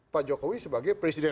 pak jokowi sebagai presiden